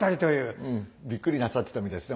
びっくりなさってたみたいですね